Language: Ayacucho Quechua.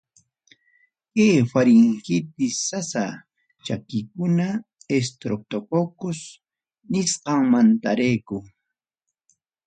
Kay faringitis sasachakuykuna estreptococos nisqanmantaraykum.